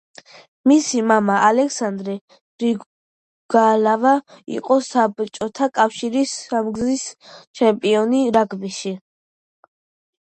მისი მამა, ალექსანდრე გრიგალავა იყო საბჭოთა კავშირის სამგზის ჩემპიონი რაგბიში.